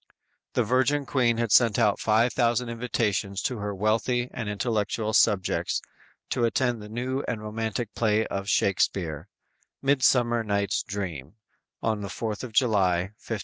The Virgin Queen had sent out five thousand invitations to her wealthy and intellectual subjects to attend the new and romantic play of Shakspere, "Midsummer Night's Dream," on the 4th of July, 1599.